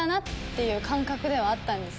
いう感覚ではあったんですけど。